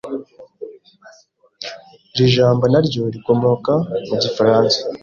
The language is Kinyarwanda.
Iri jambo naryo rikomoka mu gifaransa.